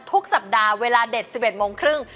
ทุกสัปดาห์เวลาเด็ด๑๑โมงครึ่ง